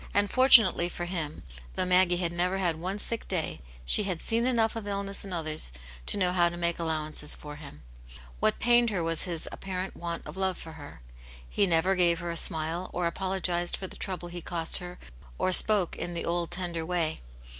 And fortunately for him, though Maggie had never had one sick day, she had seen enough of illness in others to know how to make allowances for him. What pained her was his appa rent want of love for her. He never gave her a smile, or apologised for the trouble he cost her, or spoke in the old tender way.